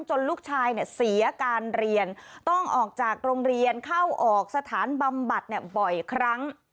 ลูกชายเสียการเรียนต้องออกจากโรงเรียนเข้าออกสถานบำบัดบ่อยครั้ง